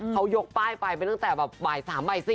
เขายกป้ายไปมาตั้งแต่แบบบ่ายสามบ่ายสี่